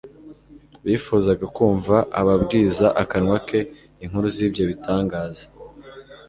Bifuzaga kumva ababwiza akanwa ke inkuru z'ibyo bitangaza.